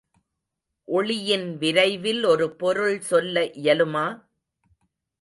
ஒளியின் விரைவில் ஒரு பொருள் செல்ல இயலுமா?